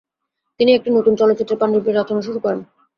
তিনি একটি নতুন চলচ্চিত্রের পাণ্ডুলিপি রচনা শুরু করেন।